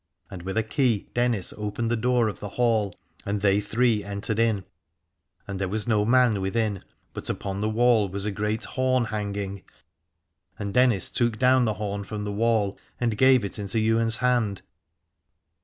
And with a key Dennis opened the door of the Hall, and they three 339 Alad ore entered in : and there was no man within, but upon the wall was a great horn hanging, and Dennis took down the horn from the wall and gave it into Ywain's hand.